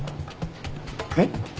えっ？